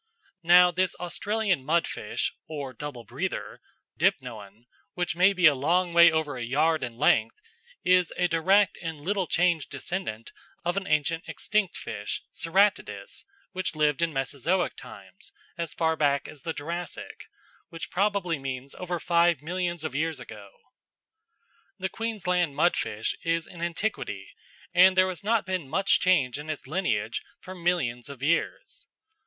Now this Australian mudfish or double breather (Dipnoan), which may be a long way over a yard in length, is a direct and little changed descendant of an ancient extinct fish, Ceratodus, which lived in Mesozoic times, as far back as the Jurassic, which probably means over five millions of years ago. The Queensland mudfish is an antiquity, and there has not been much change in its lineage for millions of years.